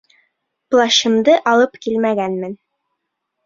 Плащымды алып килмәгәнмен.